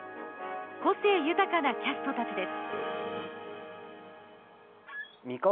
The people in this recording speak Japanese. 個性豊かなキャストたちです。